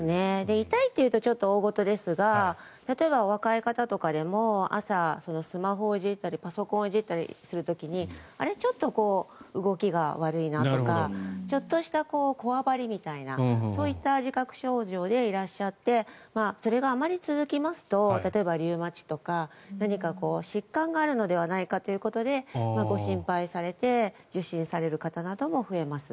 痛いというとちょっと大ごとですが例えば、お若い方とかでも朝、スマホをいじったりパソコンをいじったりする時にあれ、動きが悪いなとかちょっとしたこわばりみたいなそういった自覚症状でいらっしゃってそれがあまり続きますと例えばリウマチとか何か疾患があるのではないかということでご心配されて受診される方なども増えます。